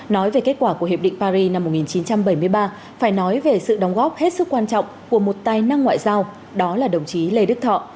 nói về kết quả của hiệp định paris năm một nghìn chín trăm bảy mươi ba phải nói về sự đóng góp hết sức quan trọng của một tài năng ngoại giao đó là đồng chí lê đức thọ